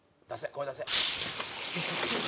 声出せ！」